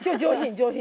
上品。